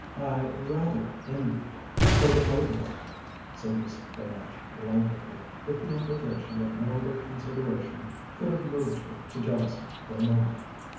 "I rather envied her the motor ride," said Miss Delmege languidly, with the implication that no other consideration could have moved her to jealousy for a moment.